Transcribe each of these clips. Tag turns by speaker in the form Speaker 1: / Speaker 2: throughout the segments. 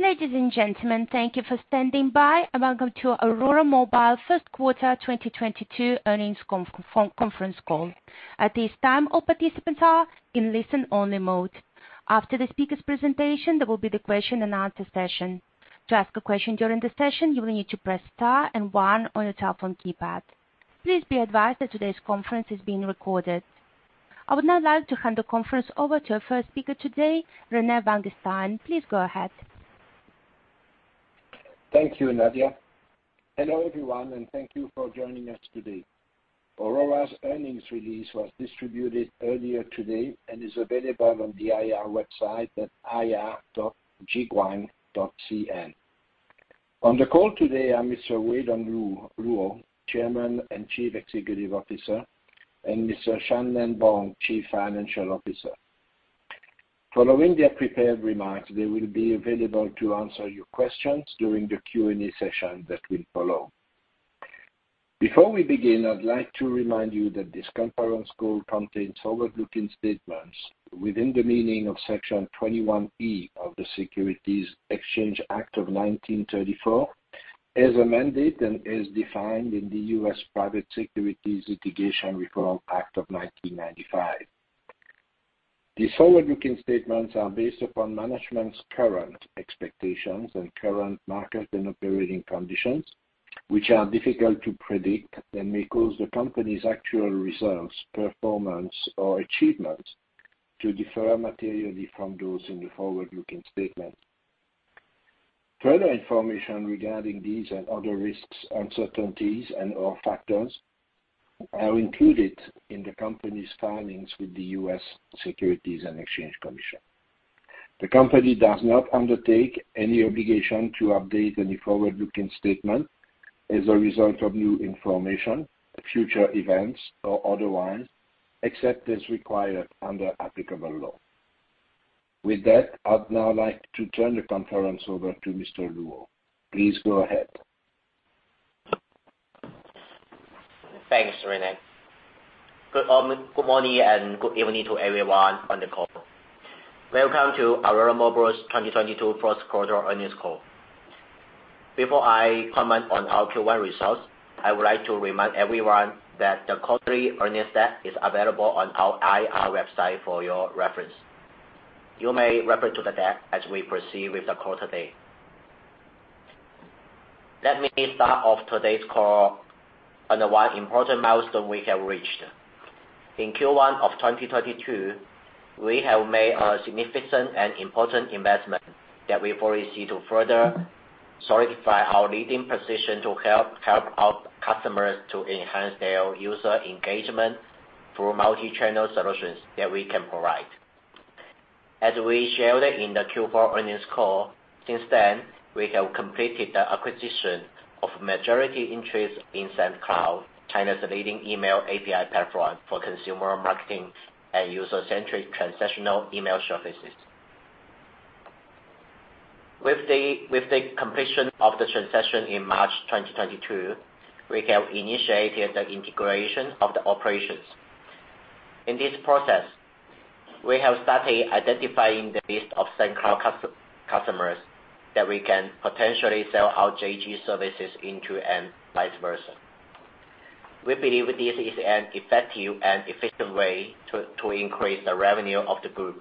Speaker 1: Ladies and gentlemen, thank you for standing by, and welcome to Aurora Mobile First Quarter 2022 Earnings Conference Call. At this time, all participants are in listen-only mode. After the speakers' presentation, there will be the question and answer session. To ask a question during the session, you will need to press star and one on your telephone keypad. Please be advised that today's conference is being recorded. I would now like to hand the conference over to our first speaker today, Rene Vanguestaine. Please go ahead.
Speaker 2: Thank you, Nadia. Hello, everyone, and thank you for joining us today. Aurora's earnings release was distributed earlier today and is available on the IR website at ir.jiguang.cn. On the call today are Mr. Weidong Luo, Chairman and Chief Executive Officer, and Mr. Shan-Nen Bong, Chief Financial Officer. Following their prepared remarks, they will be available to answer your questions during the Q&A session that will follow. Before we begin, I'd like to remind you that this conference call contains forward-looking statements within the meaning of Section 21E of the Securities Exchange Act of 1934, as amended and as defined in the U.S. Private Securities Litigation Reform Act of 1995. These forward-looking statements are based upon management's current expectations and current market and operating conditions, which are difficult to predict and may cause the company's actual results, performance or achievements to differ materially from those in the forward-looking statements. Further information regarding these and other risks, uncertainties and/or factors are included in the company's filings with the U.S. Securities and Exchange Commission. The company does not undertake any obligation to update any forward-looking statement as a result of new information, future events or otherwise, except as required under applicable law. With that, I'd now like to turn the conference over to Mr. Luo. Please go ahead.
Speaker 3: Thanks, René. Good morning and good evening to everyone on the call. Welcome to Aurora Mobile's 2022 first quarter earnings call. Before I comment on our Q1 results, I would like to remind everyone that the quarterly earnings deck is available on our IR website for your reference. You may refer to the deck as we proceed with the call today. Let me start off today's call on the one important milestone we have reached. In Q1 of 2022, we have made a significant and important investment that we foresee to further solidify our leading position to help our customers to enhance their user engagement through multi-channel solutions that we can provide. As we shared in the Q4 earnings call, since then, we have completed the acquisition of majority interest in SendCloud, China's leading email API platform for consumer marketing and user-centric transactional email services. With the completion of the transaction in March 2022, we have initiated the integration of the operations. In this process, we have started identifying the list of SendCloud customers that we can potentially sell our JG services into and vice versa. We believe this is an effective and efficient way to increase the revenue of the group.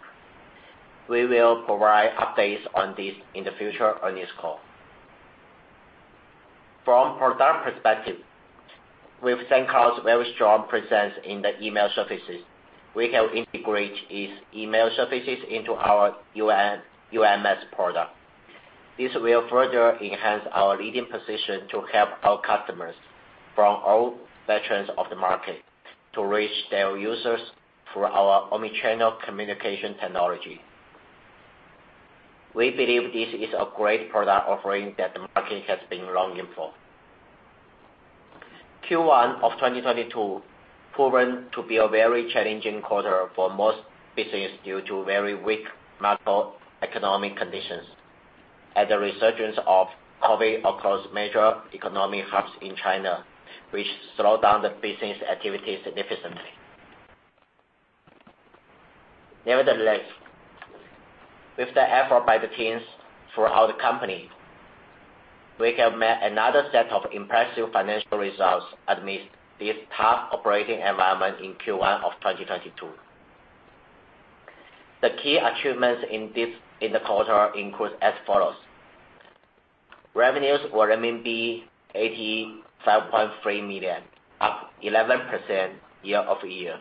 Speaker 3: We will provide updates on this in the future earnings call. From product perspective, with SendCloud's very strong presence in the email services, we can integrate its email services into our UMS product. This will further enhance our leading position to help our customers from all sections of the market to reach their users through our omni-channel communication technology. We believe this is a great product offering that the market has been longing for. Q1 of 2022 proved to be a very challenging quarter for most businesses due to very weak macroeconomic conditions and the resurgence of COVID across major economic hubs in China, which slowed down business activity significantly. Nevertheless, with the effort by the teams throughout the company, we have met another set of impressive financial results amidst this tough operating environment in Q1 of 2022. The key achievements in this quarter include as follows. Revenues were RMB 85.3 million, up 11% year-over-year.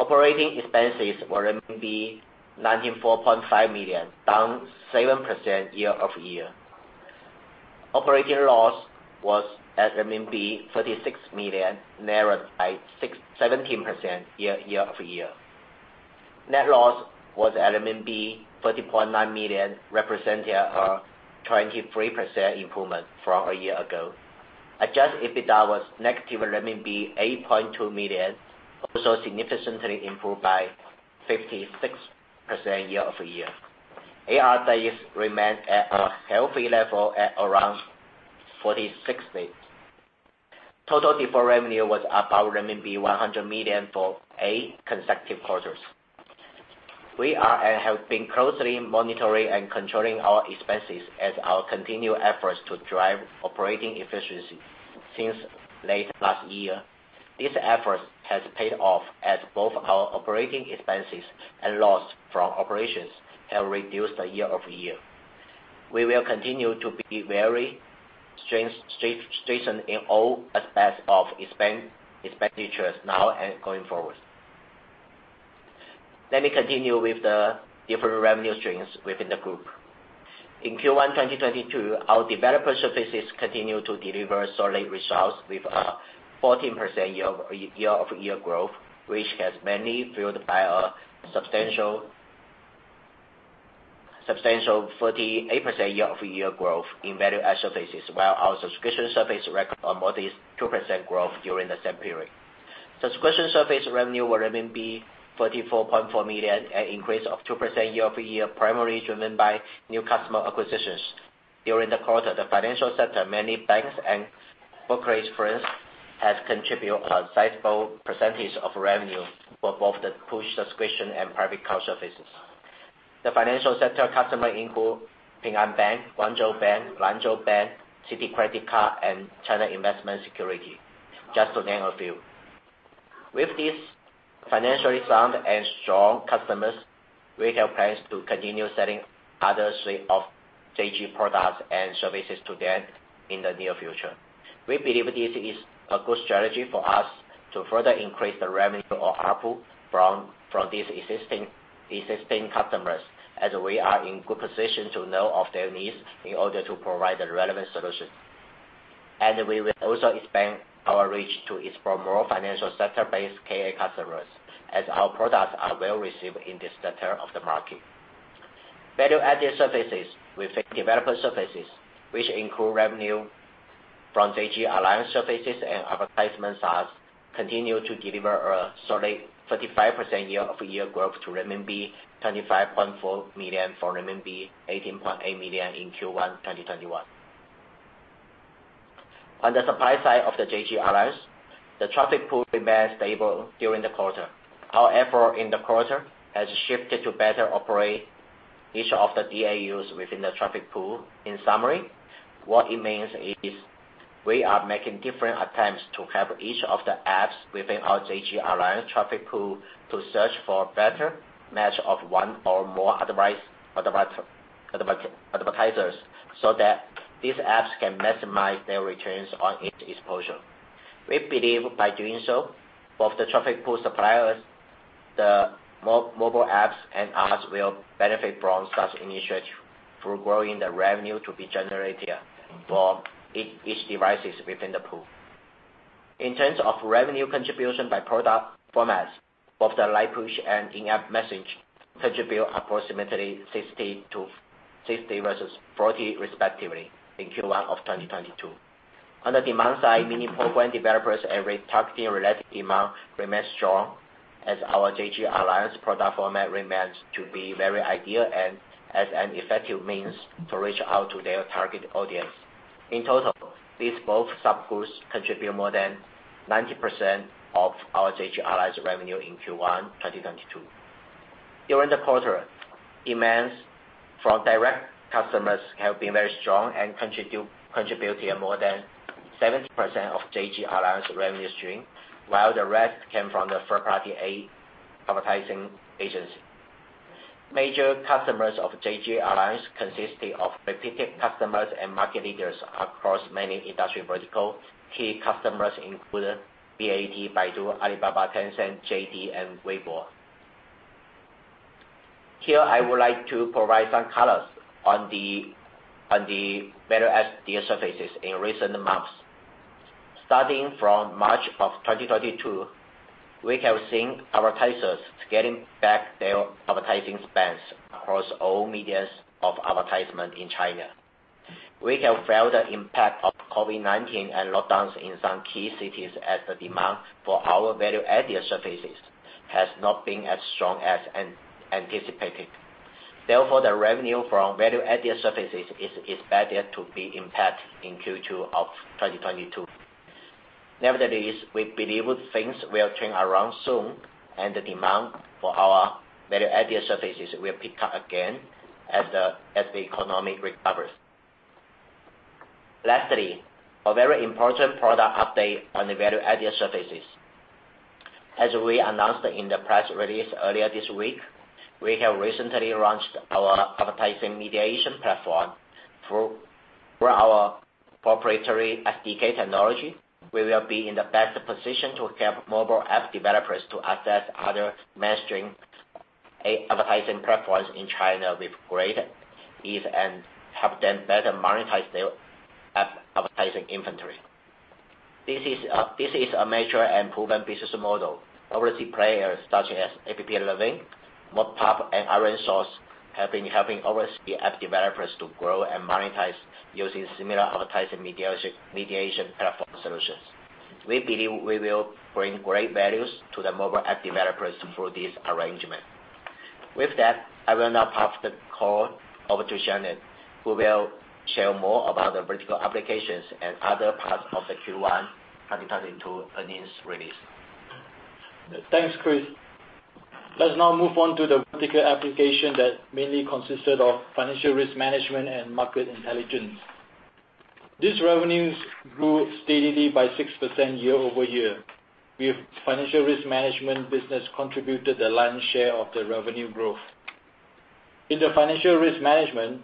Speaker 3: Operating expenses were 94.5 million, down 7% year-over-year. Operating loss was at RMB 36 million, narrowed at 17% year-over-year. Net loss was at 30.9 million, representing a 23% improvement from a year ago. Adjusted EBITDA was negative renminbi 8.2 million, also significantly improved by 56% year-over-year. AR days remained at a healthy level at around 46 days. Total deferred revenue was about RMB 100 million for eight consecutive quarters. We are and have been closely monitoring and controlling our expenses as our continued efforts to drive operating efficiency since late last year. This effort has paid off as both our operating expenses and loss from operations have reduced year-over-year. We will continue to be very stringent in all aspects of expenditures now and going forward. Let me continue with the different revenue streams within the group. In Q1 2022, our developer services continued to deliver solid results with a 14% year-over-year growth, which has mainly fueled by a substantial 48% year-over-year growth in value-added services, while our subscription services recorded a modest 2% growth during the same period. Subscription service revenue were 34.4 million, an increase of 2% year-over-year, primarily driven by new customer acquisitions. During the quarter, the financial sector, many banks and brokerages for us has contributed a sizable percentage of revenue for both the push subscription and private cloud services. The financial sector customer include Ping An Bank, Guangzhou Bank, Lanzhou Bank, Citi Credit Card, and China Investment Securities, just to name a few. With these financially sound and strong customers, we have plans to continue selling other suite of JG products and services to them in the near future. We believe this is a good strategy for us to further increase the revenue or ARPU from these existing customers, as we are in good position to know of their needs in order to provide the relevant solutions. We will also expand our reach to explore more financial sector-based KA customers, as our products are well received in this sector of the market. Value-added services within developer services, which include revenue from JG Alliance services and advertisement SaaS, continue to deliver a solid 35% year-over-year growth to 25.4 million renminbi from renminbi 18.8 million in Q1 2021. On the supply side of the JG Alliance, the traffic pool remained stable during the quarter. Our effort in the quarter has shifted to better operate each of the DAUs within the traffic pool. In summary, what it means is we are making different attempts to help each of the apps within our JG Alliance traffic pool to search for better match of one or more advertisers, so that these apps can maximize their returns on each exposure. We believe by doing so, both the traffic pool suppliers, the mobile apps, and us will benefit from such initiatives through growing the revenue to be generated for each devices within the pool. In terms of revenue contribution by product formats, both the light push and in-app message contribute approximately 60% versus 40% respectively in Q1 of 2022. On the demand side, many program developers and targeting related demand remain strong as our JG Alliance product format remains to be very ideal and as an effective means to reach out to their target audience. In total, these both sub-pools contribute more than 90% of our JG Alliance revenue in Q1 2022. During the quarter, demands from direct customers have been very strong and contributed more than 70% of JG Alliance revenue stream, while the rest came from the third-party advertising agency. Major customers of JG Alliance consisted of repeated customers and market leaders across many industry verticals. Key customers include BAT, Baidu, Alibaba, Tencent, JD, and Weibo. Here, I would like to provide some colors on the value-added services in recent months. Starting from March 2022, we have seen advertisers scaling back their advertising spends across all media of advertisement in China. We have felt the impact of COVID-19 and lockdowns in some key cities as the demand for our value-added services has not been as strong as anticipated. Therefore, the revenue from value-added services is expected to be impacted in Q2 2022. Nevertheless, we believe things will turn around soon, and the demand for our value-added services will pick up again as the economy recovers. Lastly, a very important product update on the value-added services. As we announced in the press release earlier this week, we have recently launched our advertising mediation platform through our proprietary SDK technology. We will be in the best position to help mobile app developers to access other mainstream advertising platforms in China with great ease and help them better monetize their app advertising inventory. This is a mature and proven business model. Overseas players such as AppLovin, MoPub, and ironSource have been helping overseas app developers to grow and monetize using similar advertising mediation platform solutions. We believe we will bring great values to the mobile app developers through this arrangement. With that, I will now pass the call over to Shan-Nen, who will share more about the vertical applications and other parts of the Q1 2022 earnings release.
Speaker 4: Thanks, Chris. Let's now move on to the vertical application that mainly consisted of financial risk management and market intelligence. These revenues grew steadily by 6% year-over-year, with financial risk management business contributed the lion's share of the revenue growth. In the financial risk management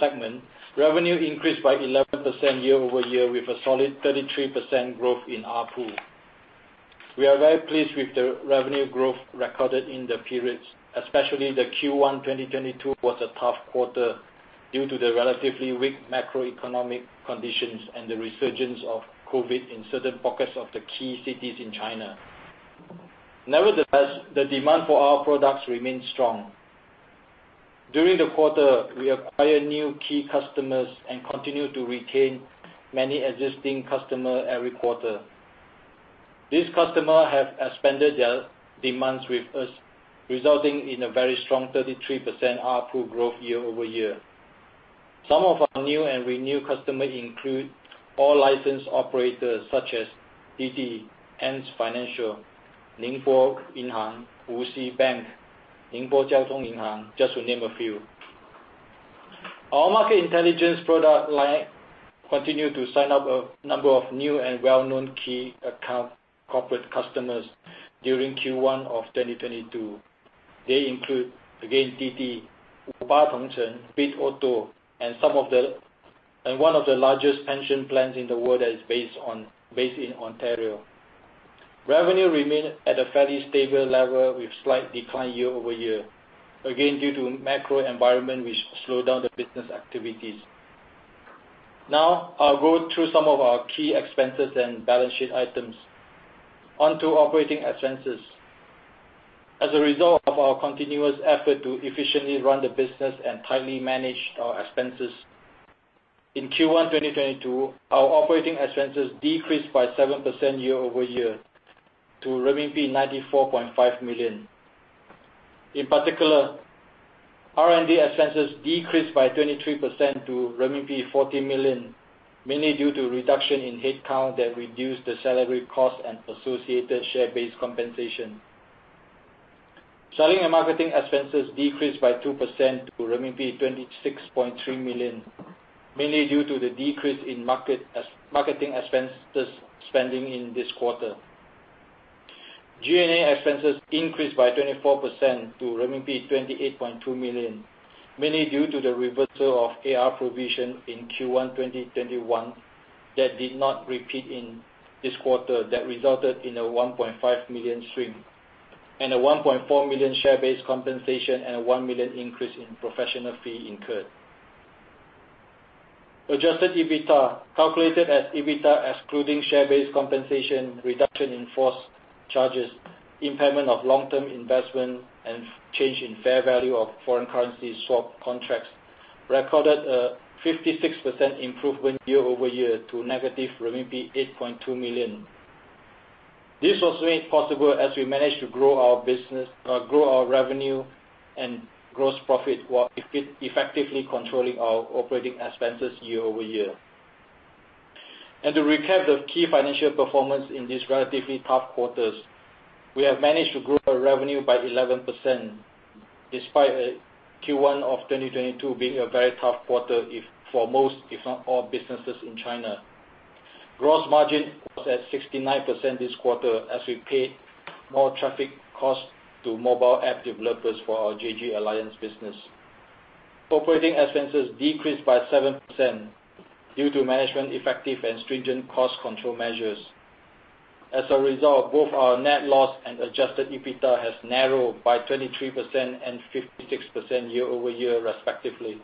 Speaker 4: segment, revenue increased by 11% year-over-year with a solid 33% growth in ARPU. We are very pleased with the revenue growth recorded in the periods, especially the Q1 2022 was a tough quarter due to the relatively weak macroeconomic conditions and the resurgence of COVID in certain pockets of the key cities in China. Nevertheless, the demand for our products remains strong. During the quarter, we acquired new key customers and continued to retain many existing customer every quarter. These customer have expanded their demands with us, resulting in a very strong 33% ARPU growth year-over-year. Some of our new and renewed customers include all licensed operators such as Didi, Ant Financial, Bank of Ningbo, Wuxi Bank, Ningbo Commercial Bank, just to name a few. Our market intelligence product line continued to sign up a number of new and well-known key account corporate customers during Q1 of 2022. They include, again, Didi, Tongcheng, Bitauto, and one of the largest pension plans in the world that is based in Ontario. Revenue remained at a fairly stable level with slight decline year-over-year, again, due to macro environment which slowed down the business activities. Now, I'll go through some of our key expenses and balance sheet items. Onto operating expenses. As a result of our continuous effort to efficiently run the business and tightly manage our expenses, in Q1 2022, our operating expenses decreased by 7% year-over-year to RMB 94.5 million. In particular, R&D expenses decreased by 23% to RMB 40 million, mainly due to reduction in headcount that reduced the salary cost and associated share-based compensation. Selling and marketing expenses decreased by 2% to RMB 26.3 million, mainly due to the decrease in marketing expenses spending in this quarter. G&A expenses increased by 24% to renminbi 28.2 million, mainly due to the reversal of AR provision in Q1 2021, that did not repeat in this quarter, that resulted in a 1.5 million shrink and a 1.4 million share-based compensation and a 1 million increase in professional fee incurred. Adjusted EBITDA, calculated as EBITDA excluding share-based compensation, reduction in force charges, impairment of long-term investment, and change in fair value of foreign currency swap contracts, recorded a 56% improvement year-over-year to -8.2 million renminbi. This was made possible as we managed to grow our revenue and gross profit while effectively controlling our operating expenses year-over-year. To recap the key financial performance in these relatively tough quarters, we have managed to grow our revenue by 11%, despite Q1 of 2022 being a very tough quarter for most, if not all, businesses in China. Gross margin was at 69% this quarter as we paid more traffic costs to mobile app developers for our JG Alliance business. Operating expenses decreased by 7% due to management effective and stringent cost control measures. As a result, both our net loss and adjusted EBITDA has narrowed by 23% and 56% year-over-year respectively.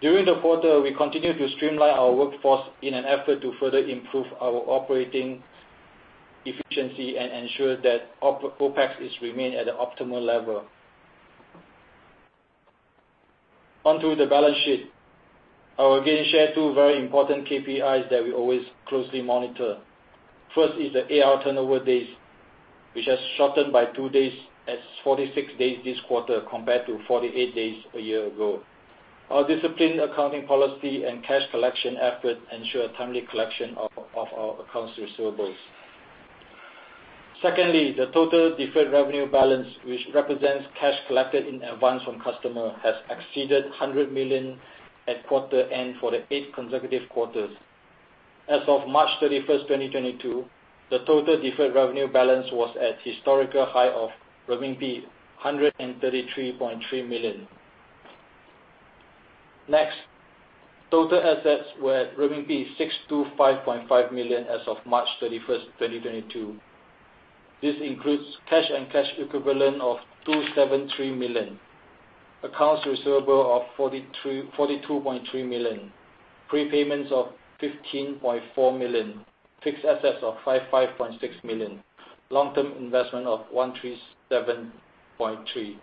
Speaker 4: During the quarter, we continued to streamline our workforce in an effort to further improve our operating efficiency and ensure that OpEx is remain at an optimal level. Onto the balance sheet. I will again share two very important KPIs that we always closely monitor. First is the AR turnover days, which has shortened by two days as 46 days this quarter compared to 48 days a year ago. Our disciplined accounting policy and cash collection effort ensure timely collection of our accounts receivables. Secondly, the total deferred revenue balance, which represents cash collected in advance from customer, has exceeded 100 million at quarter end for the 8 consecutive quarters. As of March 31st, 2022, the total deferred revenue balance was at historical high of RMB 133.3 million. Next, total assets were at RMB 625.5 million as of March 31st, 2022. This includes cash and cash equivalent of 273 million, accounts receivable of 42.3 million, prepayments of 15.4 million, fixed assets of 55.6 million, long-term investment of 137.3 million.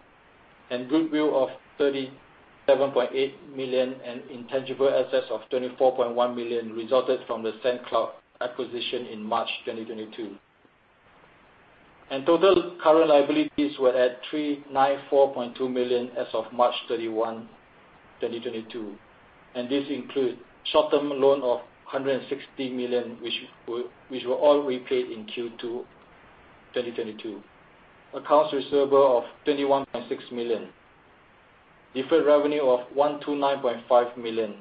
Speaker 4: Goodwill of 37.8 million and intangible assets of 24.1 million resulted from the SendCloud acquisition in March 2022. Total current liabilities were at 394.2 million as of March 31, 2022, and this includes short-term loan of 160 million, which were all repaid in Q2 2022. Accounts receivable of 21.6 million. Deferred revenue of 129.5 million.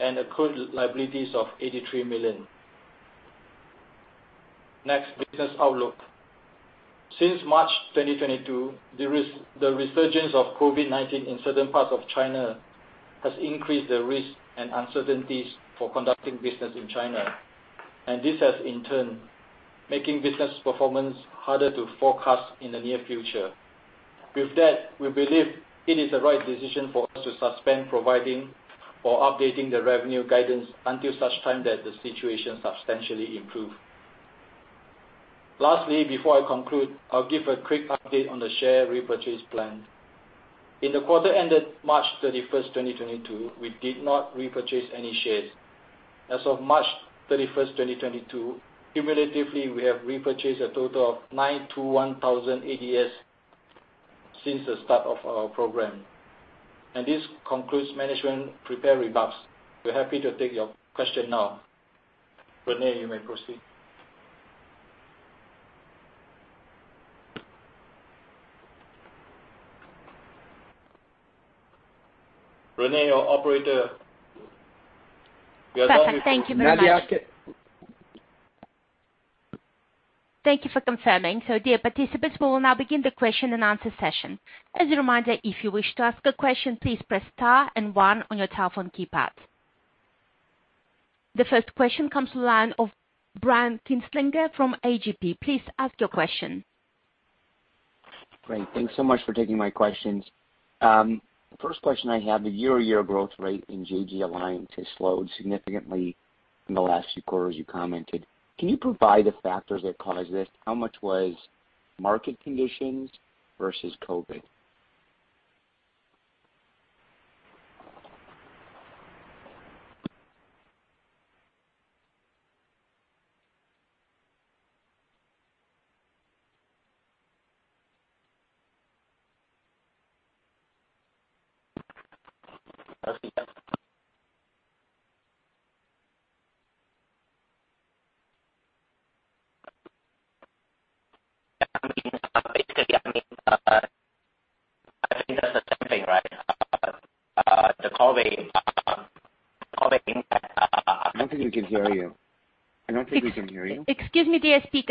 Speaker 4: Accrued liabilities of 83 million. Next, business outlook. Since March 2022, the resurgence of COVID-19 in certain parts of China has increased the risk and uncertainties for conducting business in China. This has, in turn, making business performance harder to forecast in the near future. With that, we believe it is the right decision for us to suspend providing or updating the revenue guidance until such time that the situation substantially improve. Lastly, before I conclude, I'll give a quick update on the share repurchase plan. In the quarter ended March 31st, 2022, we did not repurchase any shares. As of March 31st, 2022, cumulatively, we have repurchased a total of 921,000 ADS since the start of our program. This concludes management prepared remarks. We're happy to take your question now. René, you may proceed. René or operator.
Speaker 1: Perfect. Thank you very much. Thank you for confirming. Dear participants, we will now begin the question and answer session. As a reminder, if you wish to ask a question, please press star and one on your telephone keypad. The first question comes from the line of Brian Kinstlinger from AGP. Please ask your question.
Speaker 5: Great. Thanks so much for taking my questions. First question I have, the year-over-year growth rate in JG Alliance has slowed significantly in the last few quarters you commented. Can you provide the factors that caused this? How much was market conditions versus COVID?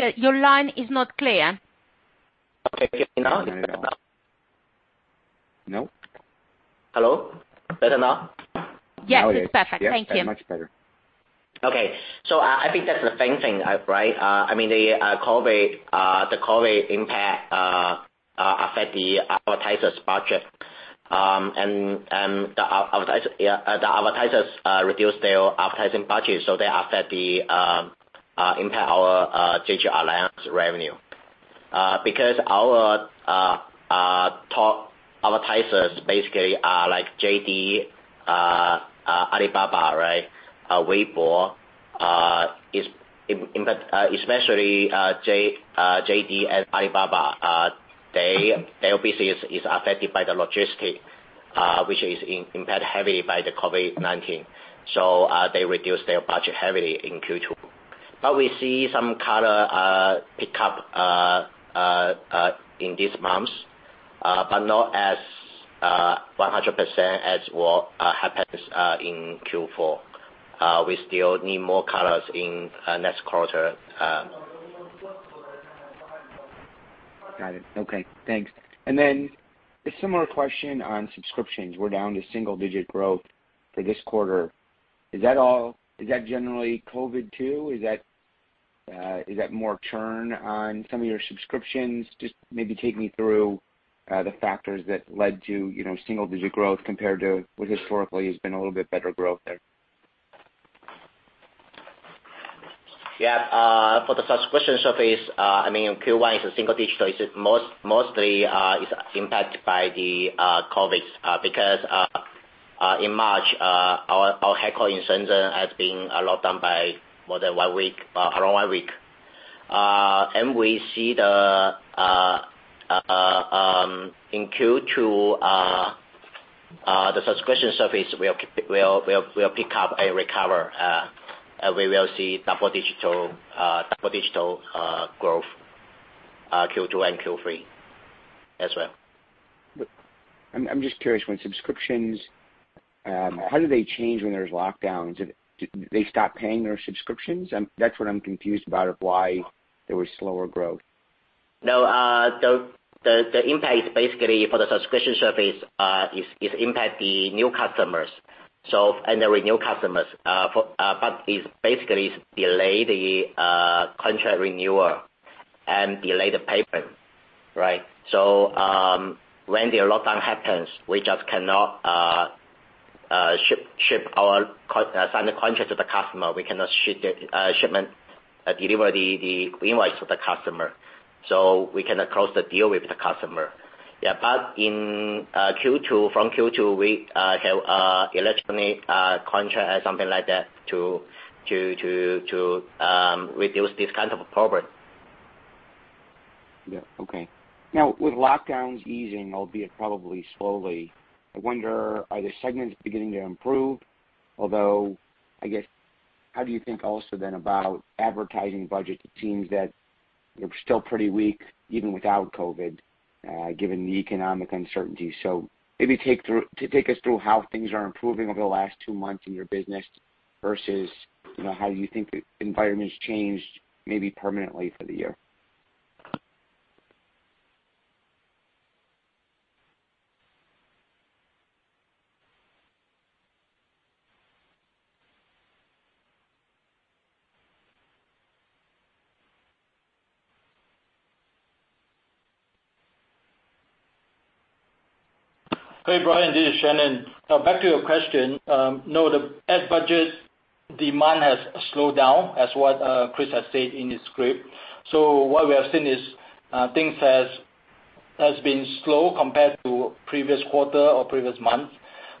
Speaker 3: I mean, basically, I mean, I think that's the same thing, right? The COVID impact.
Speaker 5: I don't think we can hear you.
Speaker 1: Excuse me, dear speaker. Your line is not clear.
Speaker 3: Okay. Can you hear me now?
Speaker 5: No.
Speaker 3: Hello? Better now?
Speaker 5: Now it is.
Speaker 1: Yes, it's perfect. Thank you.
Speaker 5: Yeah, much better.
Speaker 3: Okay. I think that's the same thing, right? I mean, the COVID impact affects the advertisers' budget. The advertisers reduced their advertising budget, so that affects, impacts our JG Alliance revenue. Because our top advertisers basically are like JD, Alibaba, right? Weibo is impacted, especially JD and Alibaba. Their business is affected by the logistics, which is impacted heavily by the COVID-19. They reduced their budget heavily in Q2. We see some color pickup in these months, but not as 100% as what happens in Q4. We still need more color in next quarter.
Speaker 5: Got it. Okay. Thanks. Then a similar question on subscriptions. We're down to single-digit growth for this quarter. Is that generally COVID too? Is that more churn on some of your subscriptions? Just maybe take me through the factors that led to, you know, single-digit growth compared to what historically has been a little bit better growth there.
Speaker 3: Yeah. For the subscription service, I mean, Q1 is single-digit. It's mostly impacted by COVID-19. Because in March, our headquarters in Shenzhen has been locked down for more than one week, around one week. We see in Q2 the subscription service will pick up and recover. We will see double-digit growth Q2 and Q3 as well.
Speaker 5: I'm just curious, when subscriptions, how do they change when there's lockdown? Do they stop paying their subscriptions? That's what I'm confused about of why there was slower growth.
Speaker 3: No. The impact is basically for the subscription service. It impacts the new customers and the renewal customers. But it's basically a delay in the contract renewal and a delay in the payment, right? When the lockdown happens, we just cannot sign the contract to the customer. We cannot deliver the invoice to the customer, so we cannot close the deal with the customer. Yeah. In Q2 from Q2, we have electronic contract or something like that to reduce this kind of a problem.
Speaker 5: Yeah. Okay. Now, with lockdowns easing, albeit probably slowly, I wonder, are the segments beginning to improve? Although, I guess, how do you think also then about advertising budget? It seems that they're still pretty weak even without COVID, given the economic uncertainty. Maybe take us through how things are improving over the last two months in your business versus, you know, how you think the environment has changed maybe permanently for the year.
Speaker 4: Hey, Brian, this is Shan-Nen. Now, back to your question. No, the ad budget demand has slowed down as what Chris has said in his script. What we have seen is things has been slow compared to previous quarter or previous months.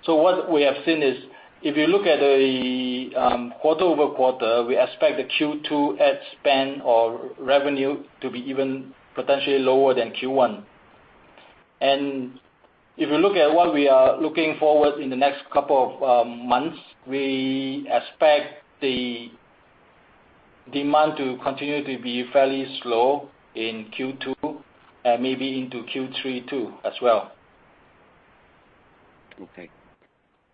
Speaker 4: What we have seen is if you look at the quarter-over-quarter, we expect the Q2 ad spend or revenue to be even potentially lower than Q1. If you look at what we are looking forward in the next couple of months, we expect the demand to continue to be fairly slow in Q2, maybe into Q3 too as well.
Speaker 5: Okay.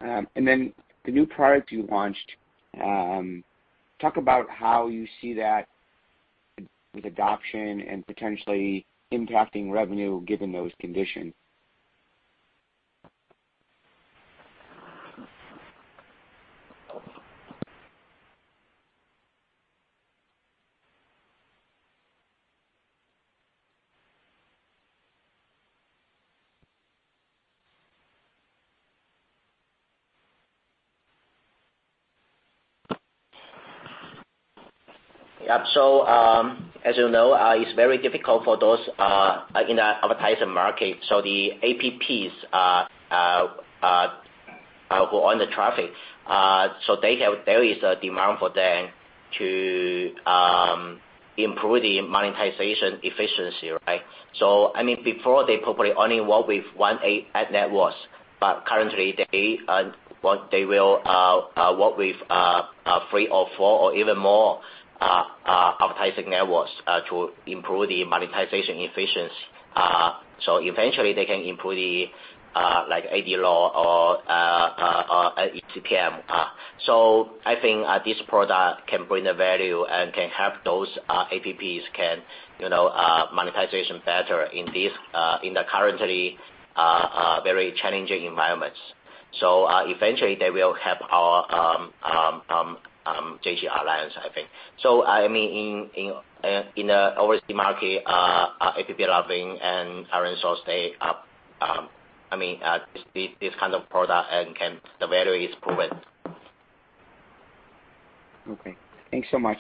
Speaker 5: The new product you launched, talk about how you see that with adoption and potentially impacting revenue given those conditions?
Speaker 3: Yeah. As you know, it's very difficult for those in the advertising market. The apps who own the traffic so they have various demands for them to improve the monetization efficiency, right? I mean, before they probably only work with one ad network, but currently they work with three or four or even more advertising networks to improve the monetization efficiency. Eventually they can improve the, like, ad load or eCPM. I think this product can bring the value and can help those apps monetize better in the current very challenging environments. Eventually they will help our JG Alliance, I think. I mean, in the overseas market, AppLovin and ironSource, they are, I mean, this kind of product and the value is proven.
Speaker 5: Okay. Thanks so much.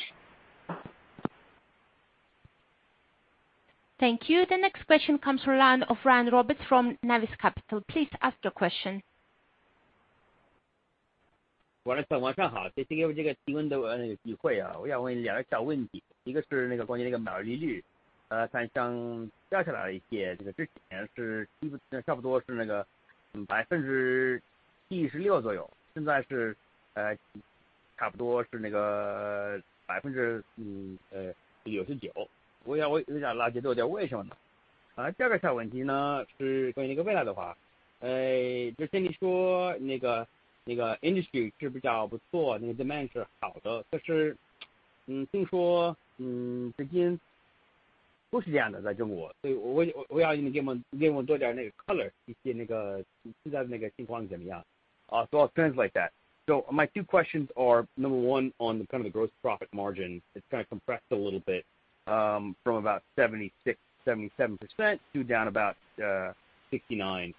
Speaker 1: Thank you. The next question comes from the line of Ryan Roberts from Navis Capital. Please ask your question.
Speaker 6: I'll translate that. My two questions are, number one, on the kind of the gross profit margin. It's kinda compressed a little bit from about 76%, 77% to down about 69%.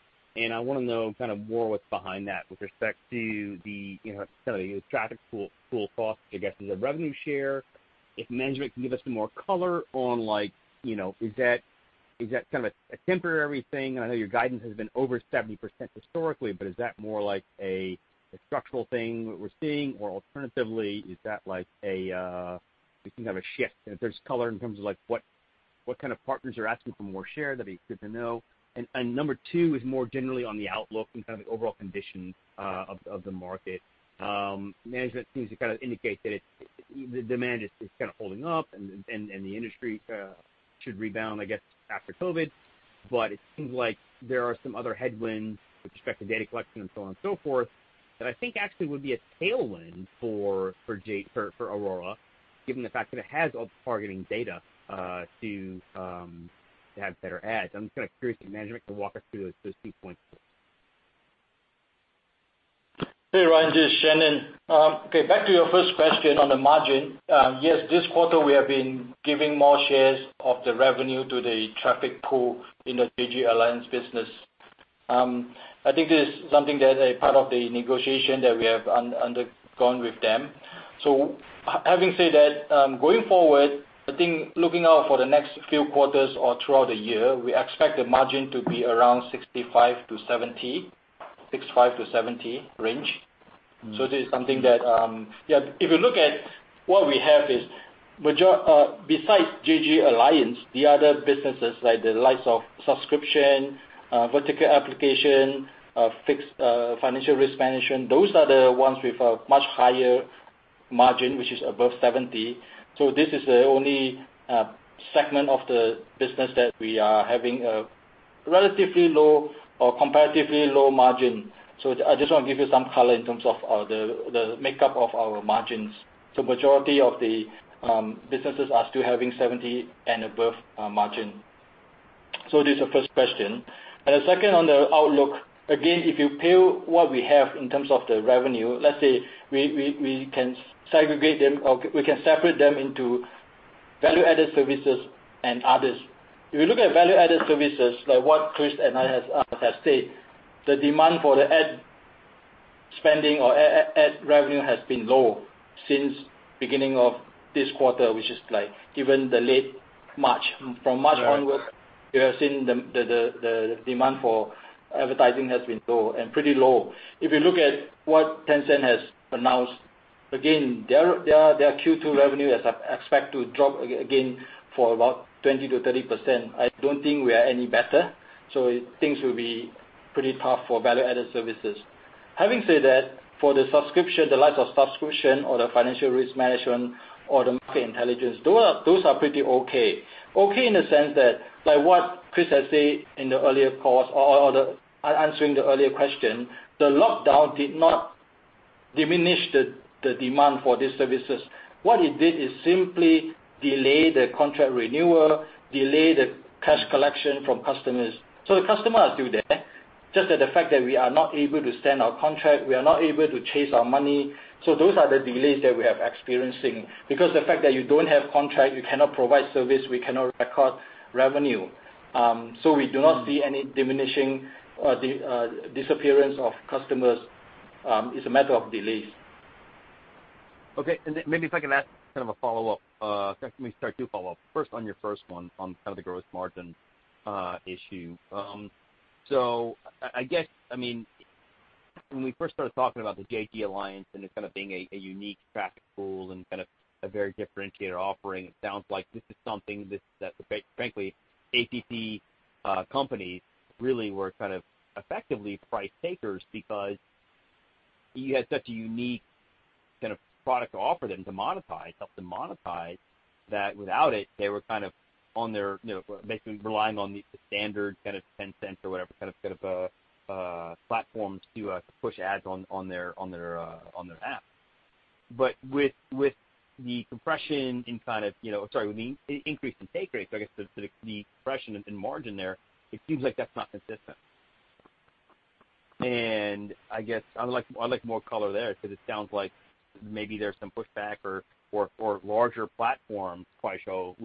Speaker 6: I wanna know kind of more what's behind that with respect to the, you know, kind of traffic pool cost, I guess, as a revenue share. If management can give us some more color on, like, you know, is that kind of a temporary thing? I know your guidance has been over 70% historically, but is that more like a structural thing that we're seeing? Or alternatively, is that like a I think kind of a shift? If there's color in terms of, like, what kind of partners are asking for more share, that'd be good to know. Number two is more generally on the outlook and kind of the overall condition of the market. Management seems to kind of indicate that the demand is kind of holding up and the industry should rebound, I guess, after COVID. But it seems like there are some other headwinds with respect to data collection and so on and so forth, that I think actually would be a tailwind for Aurora, given the fact that it has all the targeting data to have better ads. I'm just kinda curious if management can walk us through those two points.
Speaker 4: Hey, Ryan, this is Shan-Nen. Okay, back to your first question on the margin. Yes, this quarter we have been giving more shares of the revenue to the traffic pool in the JG Alliance business. I think this is something that a part of the negotiation that we have undergone with them. Having said that, going forward, I think looking out for the next few quarters or throughout the year, we expect the margin to be around 65%-70% range.
Speaker 6: Mm.
Speaker 4: This is something that, yeah, if you look at what we have is major besides JG Alliance, the other businesses like the likes of subscription, vertical application, fixed, financial risk management, those are the ones with a much higher margin, which is above 70%. This is the only segment of the business that we are having a relatively low or comparatively low margin. I just want to give you some color in terms of the makeup of our margins. Majority of the businesses are still having 70% and above margin. This is the first question. The second on the outlook, again, if you peel what we have in terms of the revenue, let's say we can segregate them or we can separate them into value-added services and others. If you look at value-added services, like what Chris and I have said, the demand for the ad spending or ad revenue has been low since beginning of this quarter, which is like even the late March.
Speaker 6: Right.
Speaker 4: From March onwards, we have seen the demand for advertising has been low and pretty low. If you look at what Tencent has announced, again, their Q2 revenue is expect to drop again for about 20%-30%. I don't think we are any better, so things will be pretty tough for value-added services. Having said that, for the subscription, the likes of subscription or the financial risk management or the market intelligence, those are pretty okay. Okay, in a sense that, like what Chris has said in the earlier calls or answering the earlier question, the lockdown did not diminish the demand for these services. What it did is simply delay the contract renewal, delay the cash collection from customers. The customers are still there. Just that the fact that we are not able to extend our contract, we are not able to chase our money. Those are the delays that we are experiencing. Because the fact that you don't have contract, you cannot provide service, we cannot record revenue. We do not see any disappearance of customers. It's a matter of delays.
Speaker 6: Okay. Then maybe if I can ask kind of a follow-up. In fact, let me start two follow-ups. First, on your first one on kind of the gross margin issue. So I guess, I mean, when we first started talking about the JG Alliance and it kind of being a unique traffic pool and kind of a very differentiator offering, it sounds like this is something that, frankly, app companies really were kind of effectively price takers because you had such a unique kind of product to offer them to monetize, help them monetize that without it, they were kind of on their, you know, basically relying on the standard kind of Tencent or whatever kind of platform to push ads on their app. With the increase in take rates, I guess the compression in margin there. It seems like that's not consistent. I'd like more color there because it sounds like maybe there's some pushback or larger platforms, Kuaishou,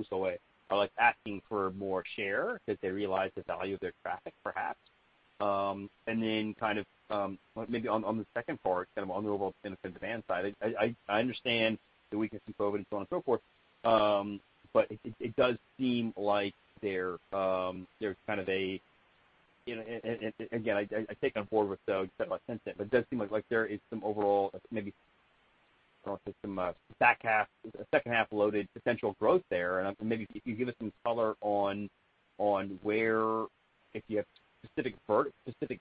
Speaker 6: are like asking for more share because they realize the value of their traffic, perhaps. Kind of maybe on the second part, kind of on the overall business demand side, I understand the weakness in COVID and so on and so forth. It does seem like there's kind of a, you know, and again, I take on board what you said about Tencent, but it does seem like there is some overall maybe, I don't know, some, back half, second half loaded potential growth there. Maybe if you give us some color on where if you have specific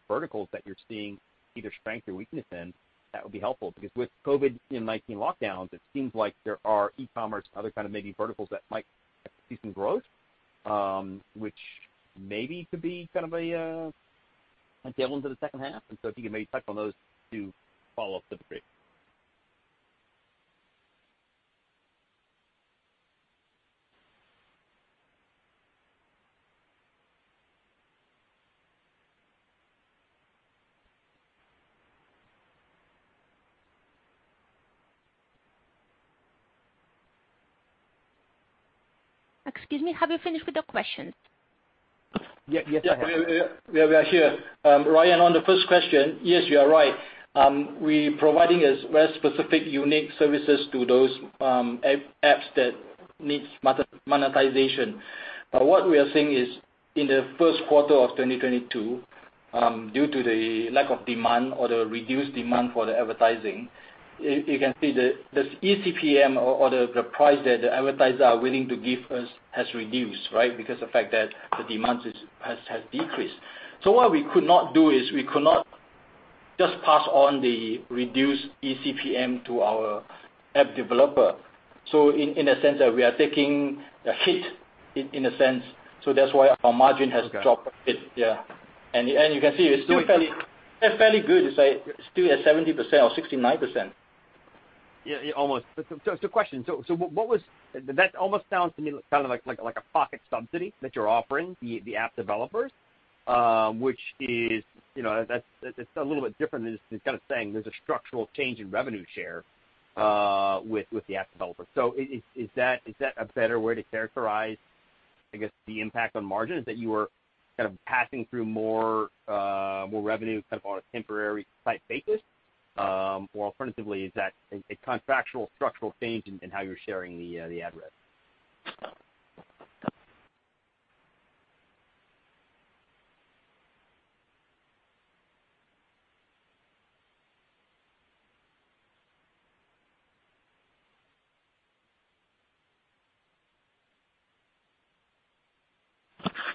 Speaker 6: verticals that you're seeing either strength or weakness in, that would be helpful. Because with COVID-19 lockdowns, it seems like there are e-commerce and other kind of maybe verticals that might see some growth, which maybe could be kind of a tailwind to the second half. If you can maybe touch on those two follow-ups, that'd be great.
Speaker 4: Yeah. We are here. Ryan, on the first question, yes, you are right. We providing a very specific unique services to those apps that needs monetization. What we are seeing is in the first quarter of 2022, due to the lack of demand or the reduced demand for the advertising, you can see the eCPM or the price that the advertisers are willing to give us has reduced, right? Because the fact that the demand has decreased. What we could not do is we could not just pass on the reduced eCPM to our app developer. In a sense that we are taking a hit in a sense. That's why our margin has dropped a bit.
Speaker 6: Okay.
Speaker 4: Yeah. You can see it's still fairly good. It's like still at 70% or 69%.
Speaker 6: Yeah. Yeah, almost. That almost sounds to me kind of like a pocket subsidy that you're offering the app developers, which is, you know, that's a little bit different than just kind of saying there's a structural change in revenue share with the app developer. Is that a better way to characterize? I guess the impact on margin is that you are kind of passing through more revenue kind of on a temporary type basis, or alternatively is that a contractual structural change in how you're sharing the ad rev?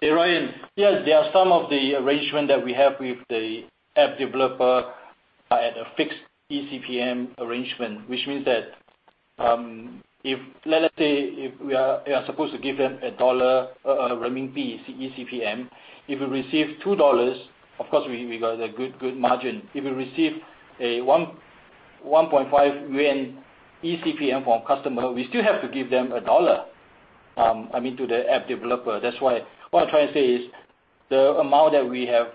Speaker 4: Hey, Ryan. Yes, there are some of the arrangement that we have with the app developer at a fixed eCPM arrangement, which means that, if, let's say, we are supposed to give them $1 or RMB 1 eCPM, if we receive $2, of course we got a good margin. If we receive a $1.5 eCPM from customer, we still have to give them $1, I mean, to the app developer. That's why. What I'm trying to say is the amount that we have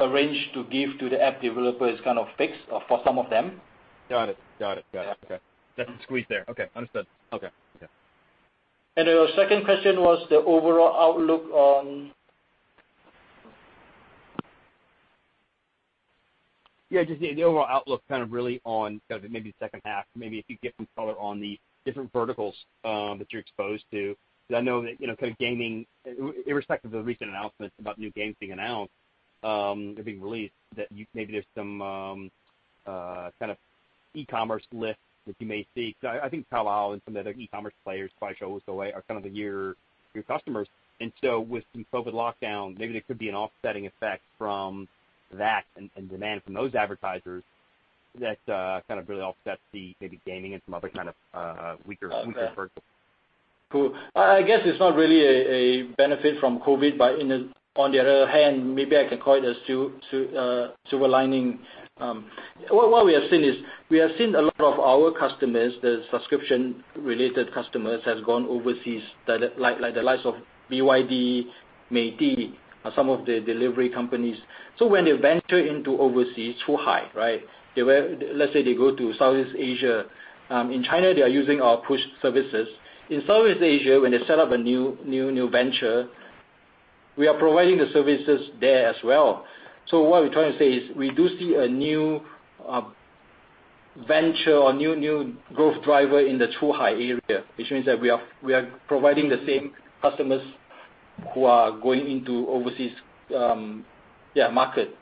Speaker 4: arranged to give to the app developer is kind of fixed for some of them.
Speaker 6: Got it. Okay. That's a squeeze there. Okay, understood. Okay. Yeah.
Speaker 4: Your second question was the overall outlook on?
Speaker 6: Yeah, just the overall outlook kind of really on kind of maybe second half, maybe if you give some color on the different verticals that you're exposed to. 'Cause I know that, you know, kind of gaming, irrespective of the recent announcements about new games being announced or being released, that maybe there's some kind of e-commerce lift that you may see. I think Taobao and some of the other e-commerce players probably show us the way. They're kind of new customers. With some COVID lockdown, maybe there could be an offsetting effect from that and demand from those advertisers that kind of really offsets the maybe gaming and some other kind of weaker verticals.
Speaker 4: Cool. I guess it's not really a benefit from COVID, but on the other hand, maybe I can call it a silver lining. What we have seen is a lot of our customers, the subscription related customers, have gone overseas, the likes of BYD, Midea, some of the delivery companies. When they venture into overseas, Zhuhai, right? Let's say they go to Southeast Asia. In China, they are using our push services. In Southeast Asia, when they set up a new venture, we are providing the services there as well. What we're trying to say is we do see a new venture or new growth driver in the Zhuhai area, which means that we are providing the same customers who are going into overseas market.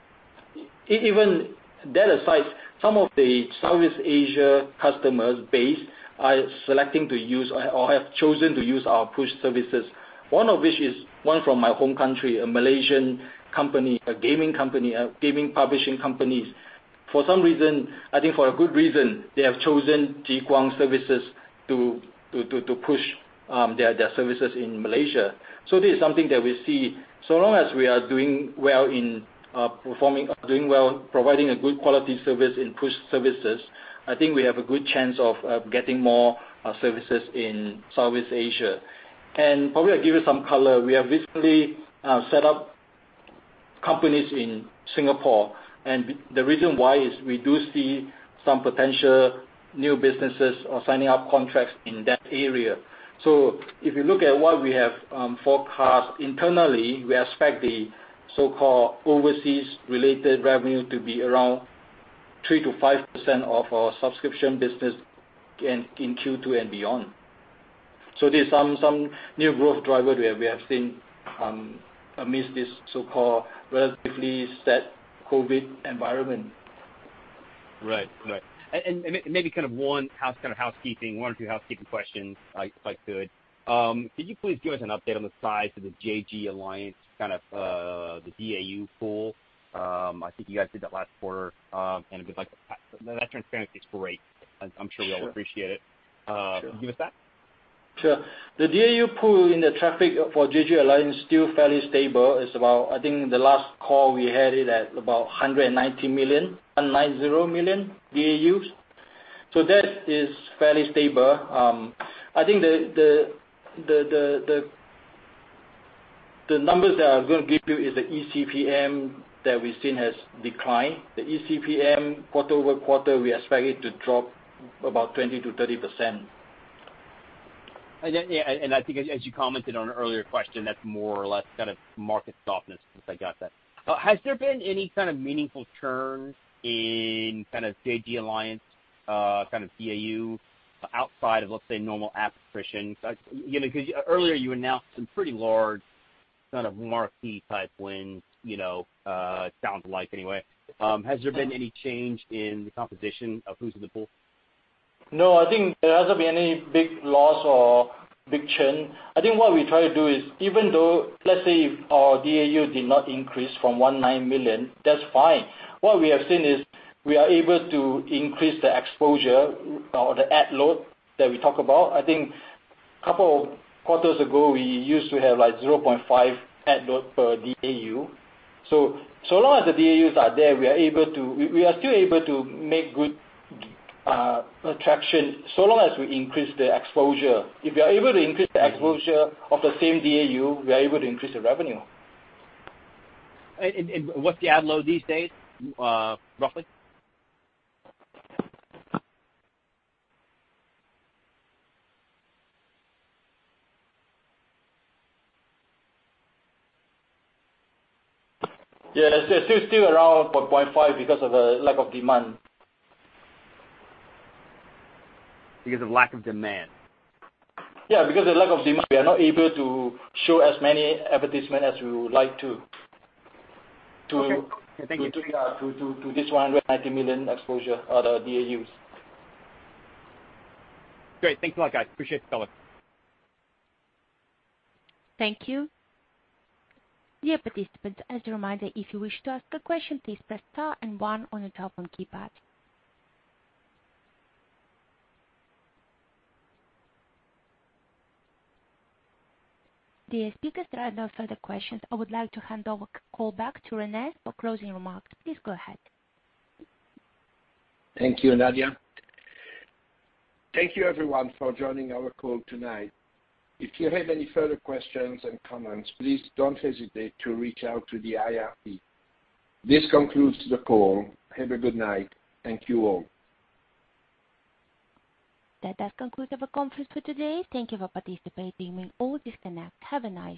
Speaker 4: Even that aside, some of the Southeast Asia customer base are selecting to use or have chosen to use our push services. One of which is one from my home country, a Malaysian company, a gaming company, a gaming publishing companies. For some reason, I think for a good reason, they have chosen JiGuang services to push their services in Malaysia. This is something that we see. So long as we are doing well in performing providing a good quality service in push services, I think we have a good chance of getting more services in Southeast Asia. Probably I give you some color. We have recently set up companies in Singapore, and the reason why is we do see some potential new businesses or signing up contracts in that area. If you look at what we have forecast internally, we expect the so-called overseas related revenue to be around 3%-5% of our subscription business in Q2 and beyond. There's some new growth driver we have seen amidst this so-called relatively steady COVID-19 environment.
Speaker 6: Right. Maybe kind of housekeeping, one or two housekeeping questions, if I could. Could you please give us an update on the size of the JG Alliance, kind of, the DAU pool? I think you guys did that last quarter. If you'd like, that transparency is great. I'm sure we all appreciate it.
Speaker 4: Sure.
Speaker 6: Can you give us that?
Speaker 4: Sure. The DAU pool in the traffic for JG Alliance is still fairly stable. It's about, I think in the last call we had it at about 190 million, 190 million DAUs. That is fairly stable. I think the numbers that I'm gonna give you is the eCPM that we've seen has declined. The eCPM quarter-over-quarter, we expect it to drop about 20%-30%.
Speaker 6: Yeah, yeah, I think as you commented on an earlier question, that's more or less kind of market softness, since I got that. Has there been any kind of meaningful churn in kind of JG Alliance, kind of DAU outside of, let's say, normal app attrition? You know, 'cause earlier you announced some pretty large kind of marquee type wins, you know, sounds like anyway. Has there been any change in the composition of who's in the pool?
Speaker 4: No. I think there hasn't been any big loss or big churn. I think what we try to do is even though, let's say if our DAU did not increase from 19 million, that's fine. What we have seen is we are able to increase the exposure or the ad load that we talk about. I think couple of quarters ago, we used to have like 0.5 ad load per DAU. So long as the DAUs are there, we are still able to make good traction, so long as we increase the exposure. If we are able to increase the exposure of the same DAU, we are able to increase the revenue.
Speaker 6: What's the ad load these days, roughly?
Speaker 4: Yeah. It's still around about 0.5 because of the lack of demand.
Speaker 6: Because of lack of demand?
Speaker 4: Yeah, because of lack of demand, we are not able to show as many advertisement as we would like to.
Speaker 6: Okay. Thank you.
Speaker 4: To this 190 million exposure or the DAUs.
Speaker 6: Great. Thanks a lot, guys. Appreciate the color.
Speaker 1: Thank you. Dear participants, as a reminder, if you wish to ask a question, please press star and one on your telephone keypad. Dear speakers, there are no further questions. I would like to hand over call back to René for closing remarks. Please go ahead.
Speaker 2: Thank you, Nadia. Thank you everyone for joining our call tonight. If you have any further questions and comments, please don't hesitate to reach out to the IR team. This concludes the call. Have a good night. Thank you all.
Speaker 1: That does conclude our conference for today. Thank you for participating. You may all disconnect. Have a nice day.